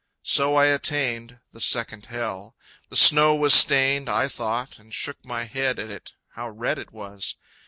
So I attained The second Hell. The snow was stained I thought, and shook my head at it How red it was!